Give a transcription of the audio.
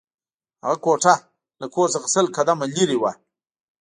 هغه کوټه له کور څخه سل قدمه لېرې وه